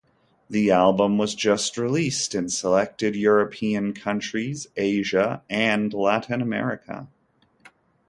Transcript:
The album was just released in selected European countries, Asia and Latin America.